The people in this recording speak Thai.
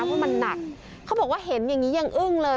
เพราะมันหนักเขาบอกว่าเห็นอย่างนี้ยังอึ้งเลย